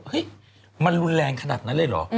เฮ้ยมันรุนแรงขนาดนั้นเลยเหรอ